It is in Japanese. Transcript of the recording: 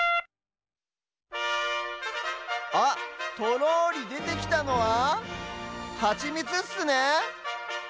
あっとろりでてきたのはハチミツっすね。